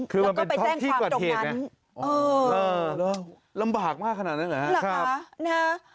คือลำบากมากขนาดนั้นเหรอครับ